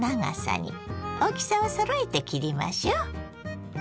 大きさをそろえて切りましょ。